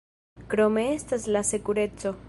Krome estas la sekureco.